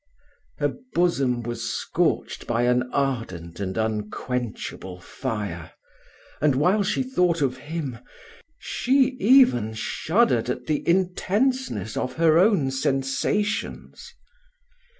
Her bosom was scorched by an ardent and unquenchable fire; and while she thought of him, she even shuddered at the intenseness of her own sensations.